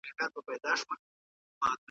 په انګریزي ژبه کي د لارښود لپاره کلمې سته؟